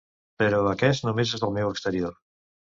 Però aquest només és el meu exterior.